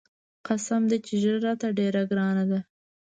قسم دى چې ږيره راته ډېره ګرانه ده.